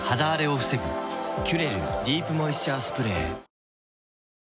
「キュレルディープモイスチャースプレー」